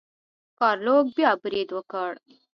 ګارلوک بیا برید وکړ.